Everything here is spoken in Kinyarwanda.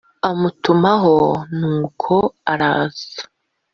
- amutumaho nuko araza.